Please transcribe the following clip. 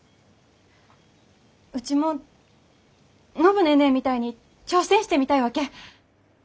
うちも暢ネーネーみたいに挑戦してみたいわけ。